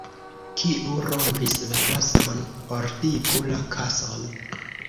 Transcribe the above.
Kiu rompis la glason, ordigu la kason.